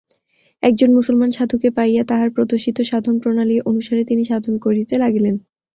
একজন মুসলমান সাধুকে পাইয়া তাঁহার প্রদর্শিত সাধনপ্রণালী অনুসারে তিনি সাধন করিতে লাগিলেন।